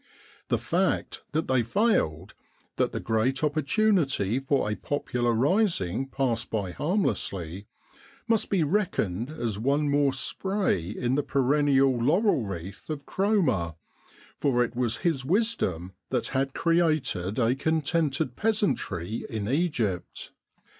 The fact that they failed, that the great opportunity for a popular rising passed by harm lessly, must be reckoned as one more spray in the perennial laurel wreath of Cromer, for it was his wisdom that had created a contented peasantry in Egypt.